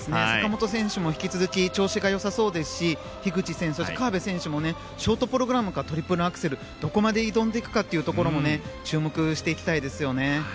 坂本選手も引き続き調子がよさそうですし樋口選手たちもショートプログラムでトリプルアクセルをどこまで挑んでいくかも注目していきたいですよね。